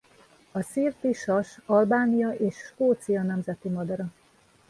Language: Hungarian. A szirti sas Albánia és Skócia nemzeti madara.